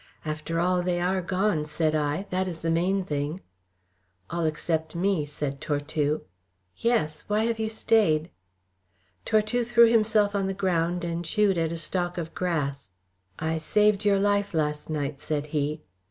"After all, they are gone," said I. "That is the main thing." "All except me," said Tortue. "Yes. Why have you stayed?" Tortue threw himself on the ground and chewed at a stalk of grass. "I saved your life last night," said he.